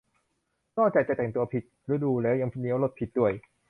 นอกจากจะแต่งตัวผิดฤดูแล้วยังเลี้ยวรถผิดด้วย